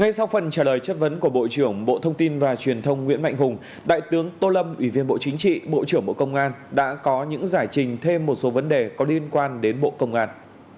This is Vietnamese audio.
ngay sau phần trả lời chất vấn của bộ trưởng bộ thông tin và truyền thông nguyễn mạnh hùng đại tướng tô lâm ủy viên bộ chính trị bộ trưởng bộ công an đã có những giải trình thêm một số vấn đề có liên quan đến bộ công an